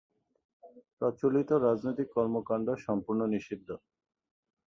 প্রচলিত রাজনৈতিক কর্মকাণ্ড সম্পূর্ণ নিষিদ্ধ।